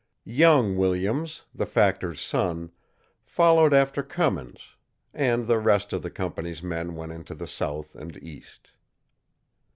Young Williams, the factor's son, followed after Cummins, and the rest of the company's men went into the south and east.